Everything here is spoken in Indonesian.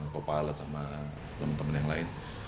kopal sama teman teman yang lain